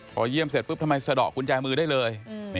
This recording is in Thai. พอเยี่ยมเสร็จปุ๊บทำไมสะดอกกุญแจมือได้เลย